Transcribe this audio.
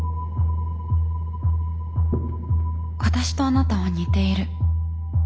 私とあなたは似ている。